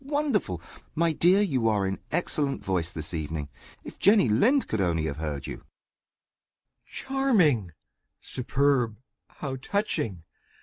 wonderful! My dear, you are in excellent voice this evening. If Jenny Lind could only have heard you! MR. PIOUS. Charming! superb! how touching!